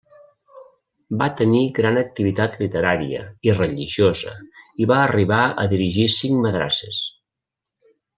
Va tenir gran activitat literària i religiosa i va arribar a dirigir cinc madrasses.